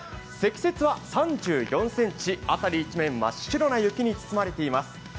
積雪は３４ｃｍ、辺り一面、真っ白な雪に包まれています。